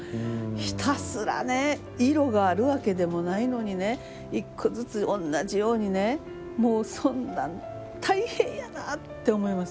ひたすらね色があるわけでもないのに１個ずつ同じようにねもうそんなん大変やなって思います。